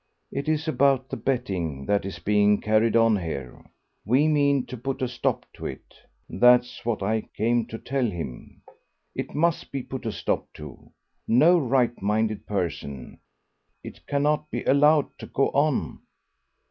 It is about the betting that is being carried on here. We mean to put a stop to it. That's what I came to tell him. It must be put a stop to. No right minded person it cannot be allowed to go on."